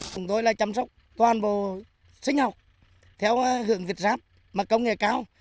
chúng tôi là chăm sóc toàn bộ sinh học theo hưởng việt giáp mà công nghệ cao